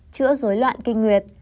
chữa dối loạn kinh nguyệt